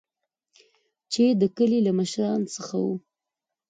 چې د کلي له مشران څخه وو.